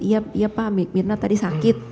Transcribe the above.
iya pak mirna tadi sakit